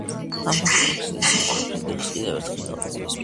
ამ ფაქტმა ქრისტიანული სამყარო ფრიდრიხს კიდევ ერთხელ დაუპირისპირა.